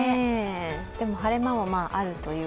でも晴れ間もあるという。